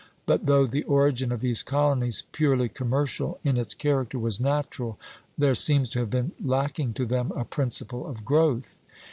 But though the origin of these colonies, purely commercial in its character, was natural, there seems to have been lacking to them a principle of growth.